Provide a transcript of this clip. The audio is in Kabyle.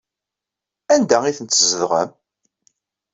Anda ay tent-teszedɣem?